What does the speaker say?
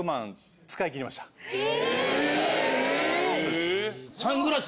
え。